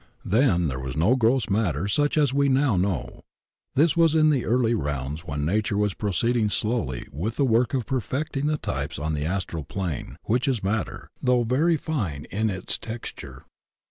Then there was no gross matter such as we now know. This was in the early rounds when Nature was proceeding slowly with the work of perfecting the types on the astral plane, which is matter, though very fine in its texture.